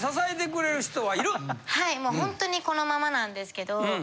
はいほんとにこのままなんですけど。